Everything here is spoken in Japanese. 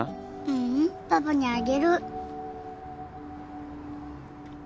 ううんパパにあげる。